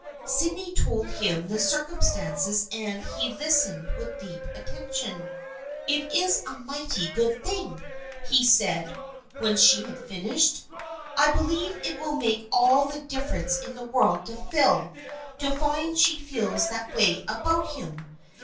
" Sydney told him the circumstances and he lis tened with deep attention. " It is a mighty good thing," he said when she had finished. " I believe it will make all the dif ference in the world to Phil to find that she feels that way about him.